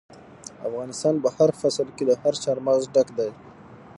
افغانستان په هر فصل کې له چار مغز ډک دی.